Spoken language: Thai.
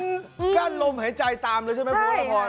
ลุ้นกันลุ้มหายใจตามเลยใช่มั้ยบรื๊วหละคร